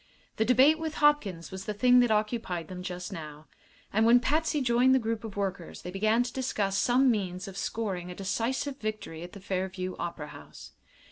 The debate with Hopkins was the thing that occupied them just now, and when Patsy joined the group of workers they began to discuss some means of scoring a decisive victory at the Fairview Opera House.